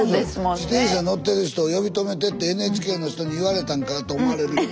「自転車乗ってる人を呼び止めて」ってＮＨＫの人に言われたんかなと思われるよこれ。